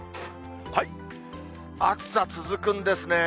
暑さ続くんですね。